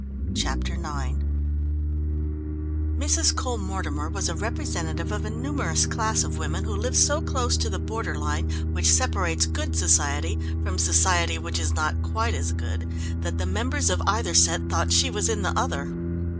Chapter IX Mrs. Cole Mortimer was a representative of a numerous class of women who live so close to the border line which separates good society from society which is not quite as good, that the members of either set thought she was in the other.